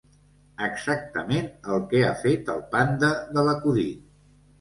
Exactament el que ha fet el panda de l'acudit.